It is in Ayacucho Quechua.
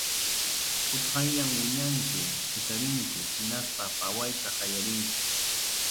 Utqayllam wiñanku, sisarinku, hinaspa pawayta qallarinku.